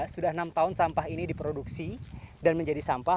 sudah enam tahun sampah ini diproduksi dan menjadi sampah